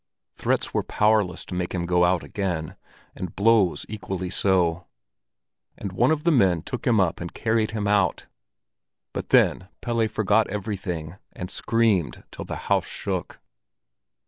Threats were powerless to make him go out again, and blows equally so, and one of the men took him up and carried him out; but then Pelle forgot everything, and screamed till the house shook.